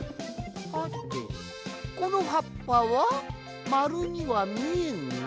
はてこのはっぱはまるにはみえんが？